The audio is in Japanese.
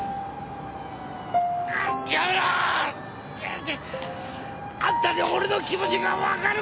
やめろー！あんたに俺の気持ちがわかるか！